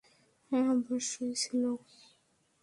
হ্যাঁ, অবশ্যই ছিল।